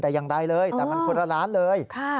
แต่อย่างใดเลยแต่มันคนละร้านเลย